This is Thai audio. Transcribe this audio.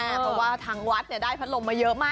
เพราะว่าทางวัดได้พัดลมมาเยอะมาก